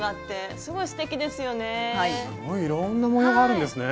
すごいいろんな模様があるんですね。